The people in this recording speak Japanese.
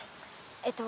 えっと